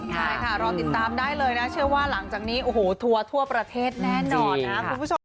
ใช่ค่ะรอติดตามได้เลยนะเชื่อว่าหลังจากนี้โอ้โหทัวร์ทั่วประเทศแน่นอนนะคุณผู้ชม